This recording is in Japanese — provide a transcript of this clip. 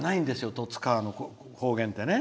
十津川の方言ってね。